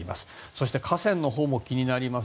そして河川のほうも気になります。